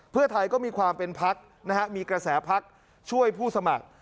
เพื่อไทยก็มีความเป็นพักนะฮะมีกระแสพักช่วยผู้สมัคร